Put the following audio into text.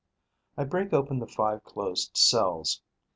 I break open the five closed cells.